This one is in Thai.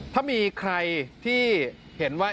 ถ้ามีใครที่เห็นว่า